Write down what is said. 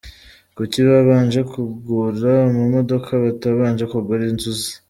Kuki babanje kugura amamodoka batabanje kugura inzu se?